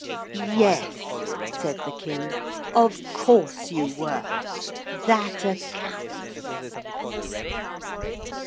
'Yes,' said the King, 'of course you were. That accounts!'